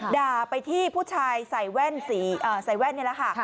ด่าไปที่ผู้ชายใส่แว่นนี่แหละค่ะ